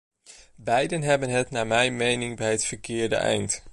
Beiden hebben het naar mijn mening bij het verkeerde eind.